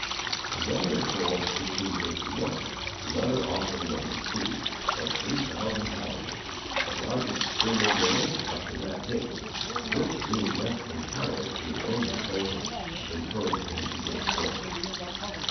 On January 4, 1851, another offering was received, of three thousand pounds the largest single donation up to that date which, being left entirely to his own disposal, encouraged him to go forward.